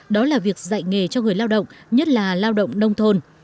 đó là việc dạy nghề cho người lao động nhất là lao động nông thôn